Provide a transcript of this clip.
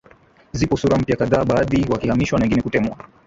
Zipo sura mpya kadhaa baadhi wakihamishwa na wengine kutemwa